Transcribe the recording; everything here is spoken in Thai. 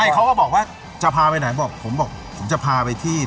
ใช่เขาก็บอกว่าจะพาไปไหนบอกผมบอกผมจะพาไปที่